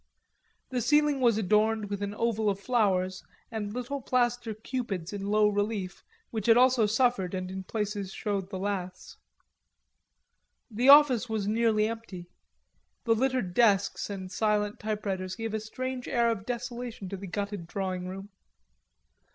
The ceiling was adorned with an oval of flowers and little plaster cupids in low relief which had also suffered and in places showed the laths. The office was nearly empty. The littered desks and silent typewriters gave a strange air of desolation to the gutted drawing room.